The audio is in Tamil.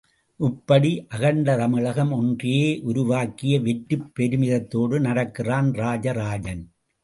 இப்படி அகண்ட தமிழகம் ஒன்றையே உருவாக்கிய வெற்றிப் பெருமிதத்தோடு நடக்கிறான் ராஜராஜன்.